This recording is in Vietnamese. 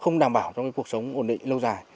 không đảm bảo trong cái cuộc sống ổn định lâu dài